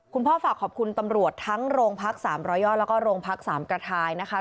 ฝากขอบคุณตำรวจทั้งโรงพัก๓๐๐ยอดแล้วก็โรงพักสามกระทายนะคะ